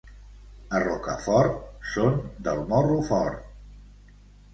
A Rocafort són del morro fort.